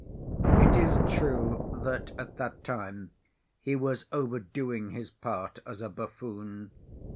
It is true that at that time he was overdoing his part as a buffoon.